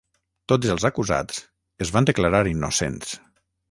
Tots els acusats es van declarar innocents.